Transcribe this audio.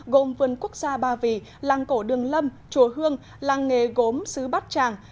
gồm vân quốc gia ba vì làng cổ đường lâm chùa hương làng nghề gốm sứ bắc tràng